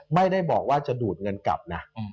ไม่ได้บอกว่าจะดูดเงินกลับนะ